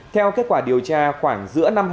theo kết quả điều tra khoảng giữa năm